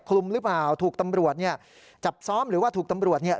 คลุมหรือเปล่าถูกตำรวจเนี่ยจับซ้อมหรือว่าถูกตำรวจเนี่ย